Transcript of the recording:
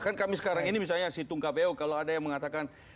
tapi sekarang ini misalnya si tungg kpu kalau ada yang mengatakan